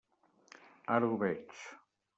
Ara ho veig.